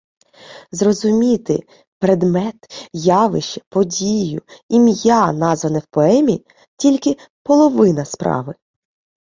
Зрозуміти предмет, явище, подію, ім'я, назване в поемі, — тільки половина справи.